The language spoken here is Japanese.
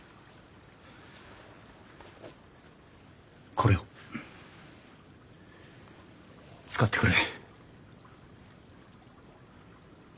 これを使ってくれ。